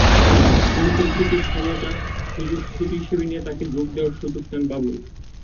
অনুপস্থিতির সময়টা ছুটি হিসেবে নিয়ে তাঁকে যোগ দেওয়ার সুযোগ চান বাবুল।